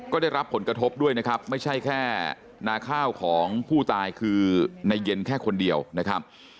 ก็ได้รับผลกระทบด้วยนะครับไม่ใช่แค่นาข้าวของผู้ตายคือในเย็นแค่คนเดียวนะครับ